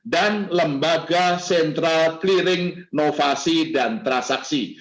dan lembaga sentral clearing novasi dan transaksi